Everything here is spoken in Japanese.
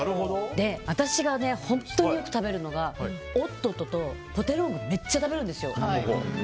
私が本当によく食べるのがおっとっととポテロングめっちゃ食べるんですよ。